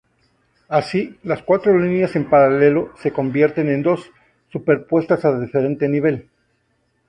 Así, las cuatro líneas en paralelo se convierten en dos, superpuestas a diferente nivel.